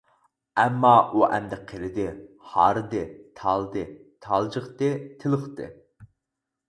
ئەمما ئۇ ئەمدى قېرىدى، ھاردى، تالدى، تالجىقتى، تېلىقتى.